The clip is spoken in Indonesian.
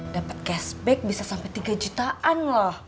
dapet cash back bisa sampai tiga jutaan loh